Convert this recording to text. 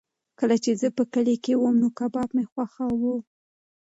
کله چې زه په کلي کې وم نو کباب مې خوښاوه.